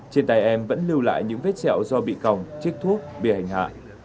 trên tay em vẫn lưu lại những vết sẹo do bị còng trích thuốc bị hành hạ